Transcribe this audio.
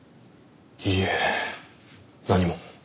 いいえ何も。